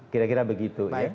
kira kira begitu ya